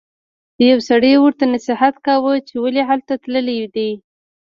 یو سړي ورته نصیحت کاوه چې ولې هلته تللی دی.